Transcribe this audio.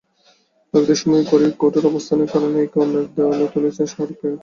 পরবর্তী সময়ে গৌরীর কঠোর অবস্থানের কারণে একে অন্যের মধ্যে দেয়াল তুলেছেন শাহরুখ-প্রিয়াঙ্কা।